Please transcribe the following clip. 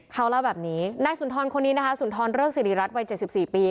เขาเล่าแบบนี้นายสุนทรคนนี้นะคะสุนทรเริกสิริรัตนวัย๗๔ปี